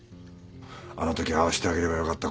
あのときああしてあげればよかった